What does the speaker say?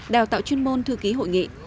đào tạo chuyên môn thư ký hội nghị